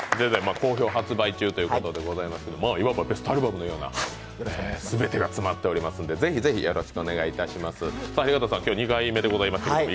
好評発売中ということでございますがいわばベストアルバムのような全てが詰まっていますのでぜひぜひ、よろしくお願いいたします。